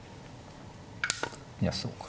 いやそうか。